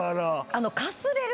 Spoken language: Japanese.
あのかすれる